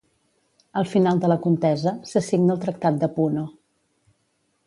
Al final de la contesa, se signa el Tractat de Puno.